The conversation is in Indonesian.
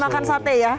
dan makan sate ya